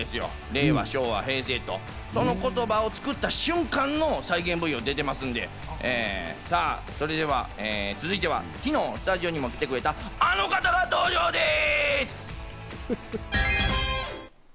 令和、昭和、平成と、その作った瞬間も出てますんで、続いては昨日、スタジオにも来てくれたあの方が登場です。